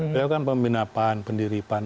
beliau kan pembina pan pendiri pan